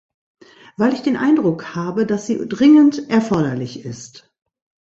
Weil ich den Eindruck habe, dass sie dringend erforderlich ist.